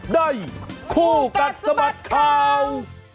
ได้คู่กับสมัสข่าว